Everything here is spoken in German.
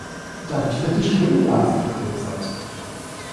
Dadurch wird die Schwimmblase vergrößert.